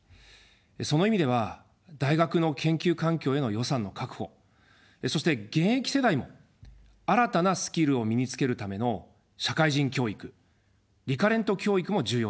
その意味では大学の研究環境への予算の確保、そして現役世代も新たなスキルを身につけるための社会人教育、リカレント教育も重要ですね。